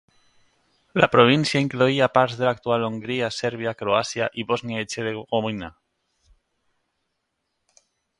La província incloïa parts de l'actual Hongria, Sèrbia, Croàcia i Bòsnia i Hercegovina.